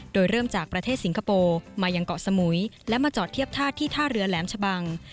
โดยเริ่มจากประเทศสิงคโปร์มายังเกาะสมุยและมาจอดเทียบท่าที่ท่าเรือแหลมชะบัง